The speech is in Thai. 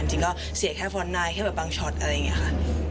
จริงก็เสียแค่ฟอนไดแค่แบบบางช็อตอะไรอย่างนี้ค่ะ